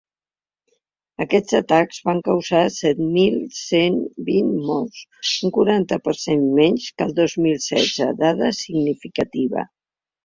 Aquests atacs van causar set mil cent vint morts, un quaranta per cent menys que el dos mil setze, dada significativa.